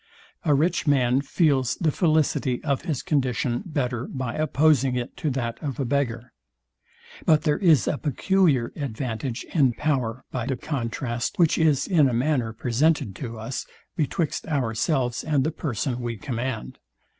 A rich man feels the felicity of his condition better by opposing it to that of a beggar. But there is a peculiar advantage in power, by the contrast, which is, in a manner, presented to us, betwixt ourselves and the person we command.